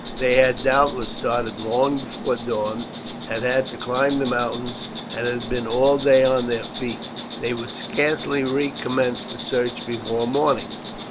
They had, doubtless, started long before dawn, had had to climb the mountains, and had been all day on their feet. They would scarcely recommence the search before morning.